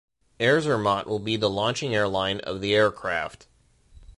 Air Zermatt will be the launching airline of the aircraft.